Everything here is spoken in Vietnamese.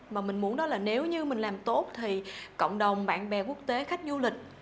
mà mình muốn đó là nếu như mình làm tốt thì cộng đồng bạn bè quốc tế khách du lịch